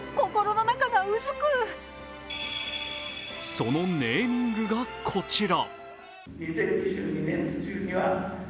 そのネーミングがこちら。